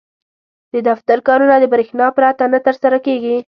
• د دفتر کارونه د برېښنا پرته نه ترسره کېږي.